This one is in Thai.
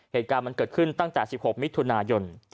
เหตุการณ์มันเกิดขึ้นตั้งแต่๑๖มิถุนายน